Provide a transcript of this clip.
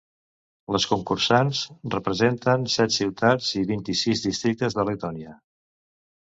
Les concursants representen set ciutats i vint-i-sis districtes de Letònia.